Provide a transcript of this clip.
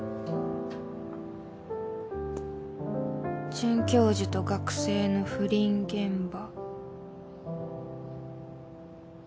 「准教授と学生の不倫現場」。